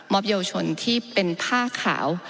เยาวชนที่เป็นผ้าขาว